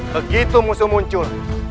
begitu musuh muncul